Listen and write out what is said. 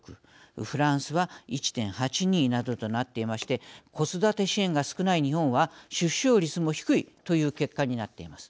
フランスは１．８２などとなっていまして子育て支援が少ない日本は出生率も低いという結果になっています。